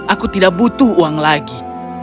aku tidak butuh uang lagi